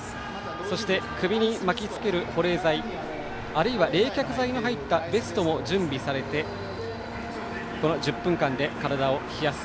そして、首に巻きつける保冷剤あるいは冷却剤の入ったベストも準備されて１０分間で体を冷やす。